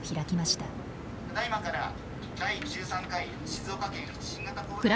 「ただいまから第１３回静岡県新型コロナ」。